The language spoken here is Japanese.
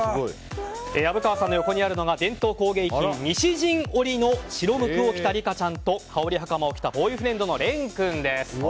虻川さんの横にあるのが伝統工芸品、西陣織の白無垢を着たリカちゃんと羽織袴を着たレンくんです。